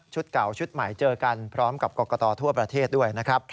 เก่าชุดใหม่เจอกันพร้อมกับกรกตทั่วประเทศด้วยนะครับ